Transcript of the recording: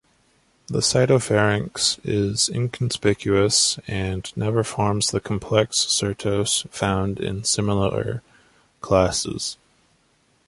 The cytopharynx is inconspicuous and never forms the complex cyrtos found in similar classes.